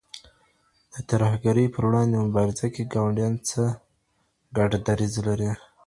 د ترهګرۍ پر وړاندې مبارزه کي ګاونډیان څه ګډ دریځ لري؟